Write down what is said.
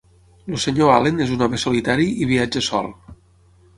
El Sr. Allen és un home solitari i viatja sol.